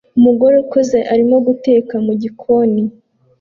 Umugore ukuze arimo guteka mu gikoni